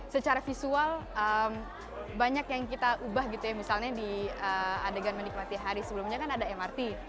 secara visual banyak yang kita ubah gitu ya misalnya di adegan menikmati hari sebelumnya kan ada mrt